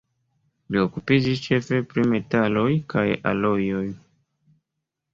Li okupiĝis ĉefe pri metaloj kaj alojoj.